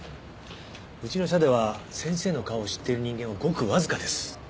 うちの社では先生の顔を知っている人間はごくわずかです。